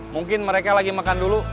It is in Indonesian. mungkin mereka lagi makan dulu